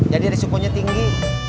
jadi resiponya tinggi